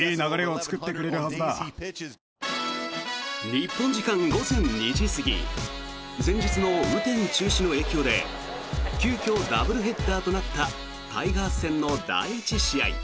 日本時間午前２時過ぎ前日の雨天中止の影響で急きょダブルヘッダーとなったタイガース戦の第１試合。